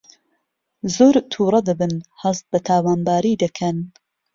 زۆر تووڕە دەبن هەست بە تاوانباری دەکەن